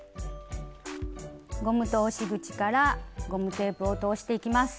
ゴム通し口からゴムテープを通していきます。